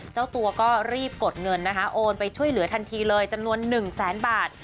เจ้าตัวก็รีบกดเงินนะคะโอนไปช่วยเหลือทันทีเลยจำนวน๑แสนบาท